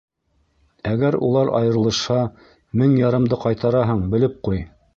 Әгәр улар айырылышһа, мең ярымды ҡайтараһың, белеп ҡуй!